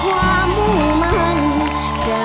ผู้ช่วยมากโทษได้